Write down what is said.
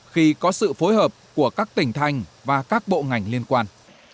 khi có sự phối hợp của các tỉnh thành và các bộ ngành liên quan